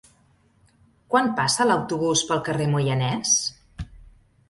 Quan passa l'autobús pel carrer Moianès?